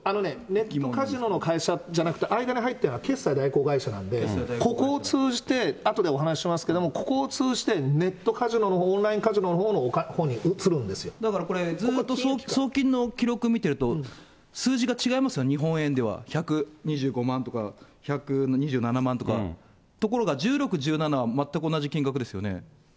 ネットカジノの会社じゃなくて、間に入ってるのは、決済代行会社なんで、ここを通じて、あとでお話しますけど、ここを通じてネットカジノのほうの、オンラインカジノのほうに移だからそれ、ずっと送金の記録見てると、数字が違いますよね、日本円では１２５万とか１２７万とか、ところが１６、１７は全く同じ金額ですよね。